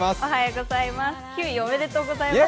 ９位、おめでとうございます。